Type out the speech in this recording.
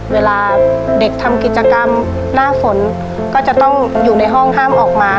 เวลาเด็กทำกิจกรรมหน้าฝนก็จะต้องอยู่ในห้องห้ามออกมา